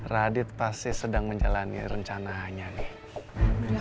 radit pasti sedang menjalani rencananya nih